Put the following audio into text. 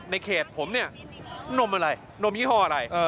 ในเขตผมเนี่ยนมอะไรนมยี่ห้ออะไร